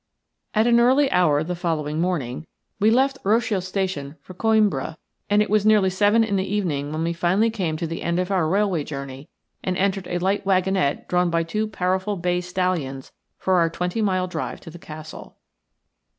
At an early hour the following morning we left Rocio Station for Coimbra, and it was nearly seven in the evening when we finally came to the end of our railway journey and entered a light wagonette drawn by two powerful bay stallions for our twenty mile drive to the castle.